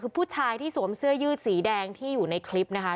คือผู้ชายที่สวมเสื้อยืดสีแดงที่อยู่ในคลิปนะคะ